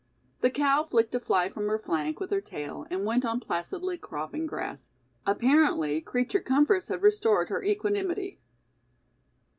The cow flicked a fly from her flank with her tail and went on placidly cropping grass. Apparently, creature comforts had restored her equanimity.